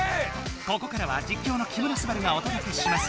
ここからは実況の木村昴がおとどけします！